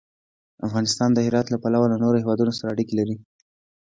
افغانستان د هرات له پلوه له نورو هېوادونو سره اړیکې لري.